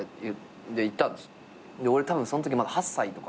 俺たぶんそんときまだ８歳とか。